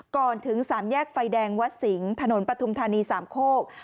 ก่อนถึงสามแยกไฟแดงวัดสิงห์ถนนปฐุมธานีสามโคก